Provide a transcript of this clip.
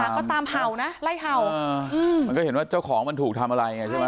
หมาก็ตามเผ่านะไล่เผ่ามันก็เห็นว่าเจ้าของมันถูกทำอะไรเนี่ยใช่มั้ย